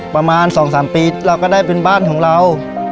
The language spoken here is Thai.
ประมาณ๒๓ปีเราก็ได้เป็นบ้านของเรา